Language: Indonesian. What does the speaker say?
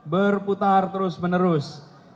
berputar terus menerus